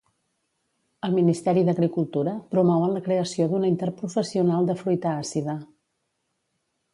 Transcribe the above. El Ministeri d'Agricultura promou en la creació d'una interprofessional de fruita àcida.